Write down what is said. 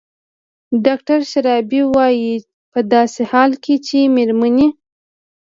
ډاکتر شرابي وايي په داسې حال کې چې مېرمنې